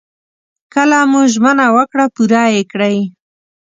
کله مو ژمنه وکړه پوره يې کړئ.